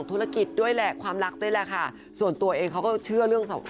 ธุรกิจด้วยแหละความรักด้วยแหละค่ะส่วนตัวเองเขาก็เชื่อเรื่องสอง